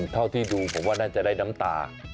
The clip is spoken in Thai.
เท่าที่ดูผมว่าน่าจะได้น้ำตา